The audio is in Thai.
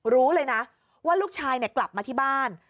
รู้เลยนะว่าลูกชายกลับมาที่บ้าน